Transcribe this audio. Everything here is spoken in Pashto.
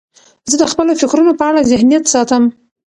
زه د خپلو فکرونو په اړه ذهنیت ساتم.